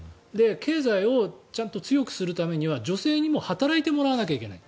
経済をちゃんと強くするためには女性にも働いてもらわないといけない。